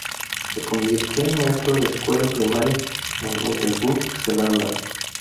Se convirtió en maestro de escuela primaria en Middelburg, Zelanda.